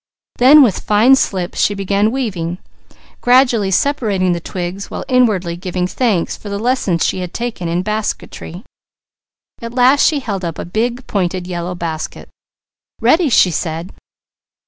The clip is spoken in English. Then with fine slips she began weaving, gradually spreading the twigs while inwardly giving thanks for the lessons she had taken in basketry. At last she held up a big, pointed, yellow basket. "Ready!" she said.